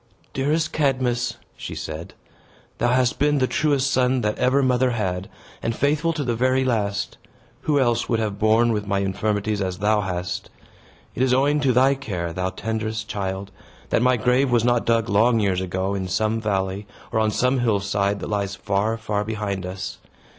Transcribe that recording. "Dearest Cadmus," said she, "thou hast been the truest son that ever mother had, and faithful to the very last. Who else would have borne with my infirmities as thou hast! It is owing to thy care, thou tenderest child, that my grave was not dug long years ago, in some valley, or on some hillside, that lies far, far behind us.